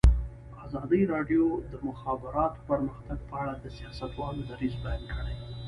ازادي راډیو د د مخابراتو پرمختګ په اړه د سیاستوالو دریځ بیان کړی.